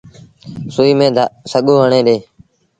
سُئيٚ ميݩ سڳو هڻي ڇڏ۔